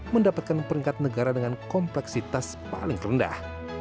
mendapatkan peringkat negara dengan kompleksitas paling rendah